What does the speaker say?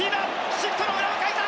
シフトの裏をかいた！